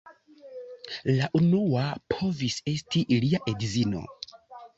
La unua povis esti lia edzino.